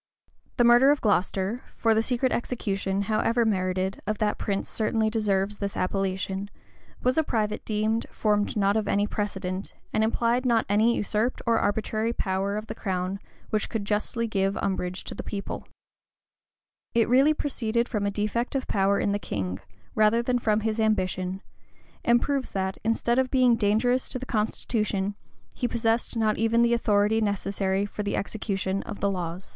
The murder of Glocester (for the secret execution, however merited, of that prince certainly deserves this appellation) was a private deed formed not any precedent, and implied not any usurped or arbitrary power of the crown which could justly give umbrage to the people. It really proceeded from a defect of power in the king, rather than from his ambition; and proves that, instead of being dangerous to the constitution, he possessed not even the authority necessary for the execution of the laws. * Knyghton, p. 2744. Otterborne, p. 212. Tyrrel, vol.